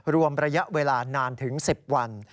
รวมระยะเวลานานถึง๑๐วัน